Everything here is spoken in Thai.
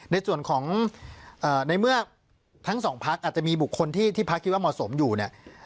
ในส่วนของในเมื่อทั้งสองพักอาจจะมีบุคคลที่พักคิดว่าเหมาะสมอยู่เนี่ย